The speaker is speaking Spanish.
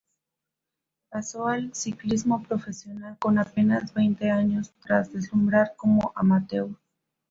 Pasó al ciclismo profesional con apenas veinte años, tras deslumbrar como amateur.